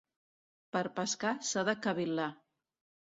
Per pescar s'ha de cavil·lar.